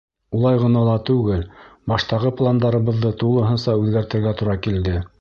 Улай ғына ла түгел, баштағы пландарыбыҙҙы тулыһынса үҙгәртергә тура килде.